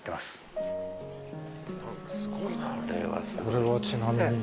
すごいな。